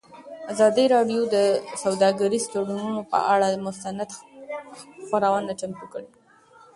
ازادي راډیو د سوداګریز تړونونه پر اړه مستند خپرونه چمتو کړې.